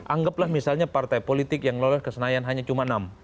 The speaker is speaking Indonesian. anggaplah misalnya partai politik yang lolos ke senayan hanya cuma enam